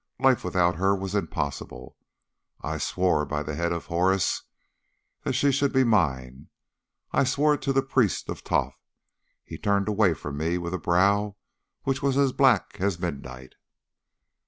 Life without her was impossible. I swore by the head of Horus that she should be mine. I swore it to the Priest of Thoth. He turned away from me with a brow which was as black as midnight.